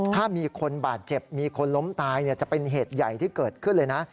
ถ้ามีคนบาดเจ็บมีคนล้มตายจะเป็นเหตุใหญ่ที่เกิดขึ้นเลยนะ